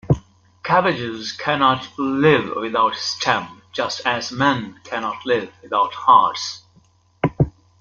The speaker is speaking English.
Cabbages cannot live without stems just as men cannot live without hearts.